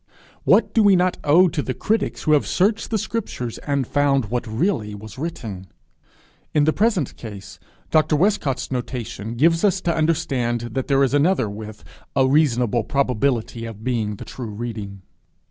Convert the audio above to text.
What do we not owe to the critics who have searched the scriptures, and found what really was written! In the present case, Dr. Westcott's notation gives us to understand that there is another with 'a reasonable probability of being the true reading.'